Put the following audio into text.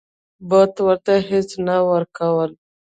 بت ورته هیڅ نه ورکول.